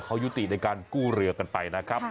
เขายุติในการกู้เรือกันไปนะครับ